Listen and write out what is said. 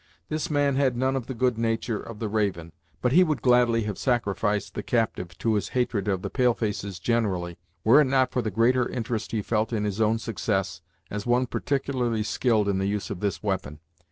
This man had none of the good nature of the Raven, but he would gladly have sacrificed the captive to his hatred of the pale faces generally, were it not for the greater interest he felt in his own success as one particularly skilled in the use of this weapon.